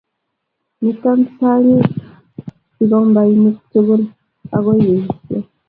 mito sang'in fikombaik tugul akuki yesio